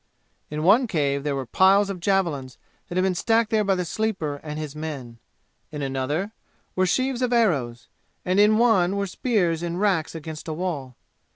In one cave there were piles of javelins that had been stacked there by the Sleeper and his men. In another were sheaves of arrows; and in one were spears in racks against a wall.